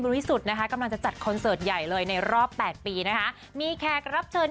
ริสุทธิ์นะคะกำลังจะจัดคอนเสิร์ตใหญ่เลยในรอบแปดปีนะคะมีแขกรับเชิญ